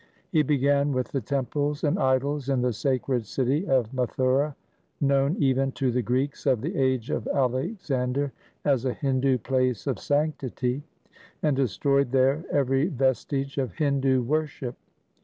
He began with the temples and idols in the sacred city of Mathura, known even to the Greeks of the age of Alexander as a Hindu place of sanctity, and destroyed there every vestige of Hindu worship.